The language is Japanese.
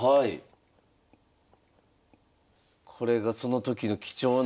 これがその時の貴重な映像。